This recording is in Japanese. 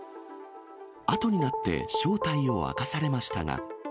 あとになって正体を明かされましたが。